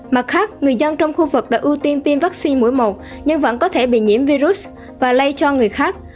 mặt khác người dân trong khu vực đã ưu tiên tiêm vaccine mũi một nhưng vẫn có thể bị nhiễm virus và lây cho người khác